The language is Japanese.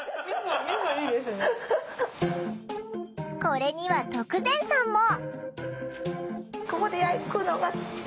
これには徳善さんも。